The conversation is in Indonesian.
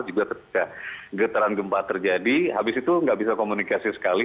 juga ketika getaran gempa terjadi habis itu nggak bisa komunikasi sekali